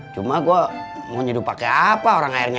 cuma gue mau nyuduh pake apa orang airnya